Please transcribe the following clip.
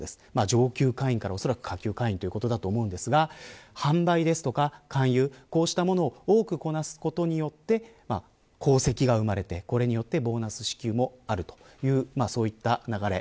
上級会員から、おそらく下級会員ということだと思うんですが販売や勧誘、こうしたものを多くこなすことによって功績が生まれてこれによってボーナス支給もあるというそういった流れ。